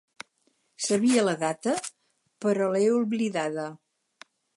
Sabia la data, però l'he oblidada.